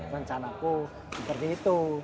rencanaku seperti itu